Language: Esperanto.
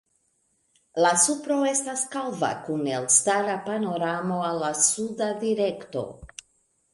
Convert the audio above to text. La supro estas kalva kun elstara panoramo al la suda direkto.